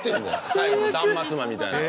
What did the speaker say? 最後の断末魔みたいな。